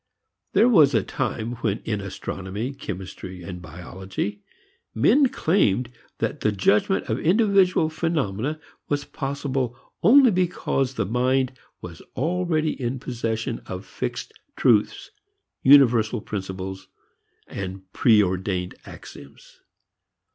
There was a time when in astronomy, chemistry and biology men claimed that judgment of individual phenomena was possible only because the mind was already in possession of fixed truths, universal principles, pre ordained axioms.